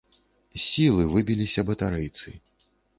З сілы выбіліся батарэйцы.